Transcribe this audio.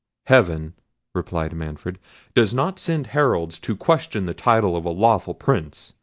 "Heaven," replied Manfred, "does not send Heralds to question the title of a lawful Prince.